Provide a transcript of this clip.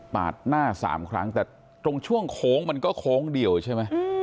หน้า๓ครั้งแต่ตรงช่วงโค้งมันก็โค้งเดียวใช่ไหม